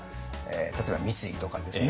例えば三井とかですね。